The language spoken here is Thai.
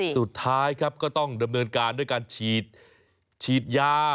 สุดท้ายครับก็ต้องดำเนินการด้วยการฉีดยา